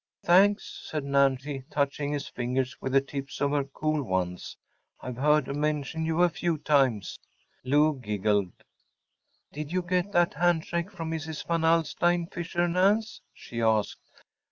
‚ÄĚ ‚ÄúThanks,‚ÄĚ said Nancy, touching his fingers with the tips of her cool ones, “I’ve heard her mention you‚ÄĒa few times.‚ÄĚ Lou giggled. “Did you get that handshake from Mrs. Van Alstyne Fisher, Nance?‚ÄĚ she asked.